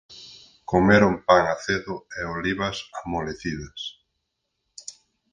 Comeron pan acedo e olivas amolecidas.